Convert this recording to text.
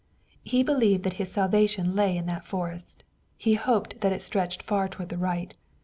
He believed that his salvation lay in that forest. He hoped that it stretched far toward the right.